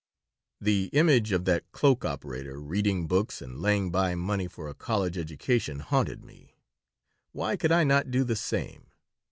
The image of that cloak operator reading books and laying by money for a college education haunted me. Why could I not do the same?